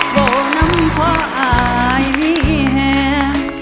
โวงนำพ่ออายมีแห่ง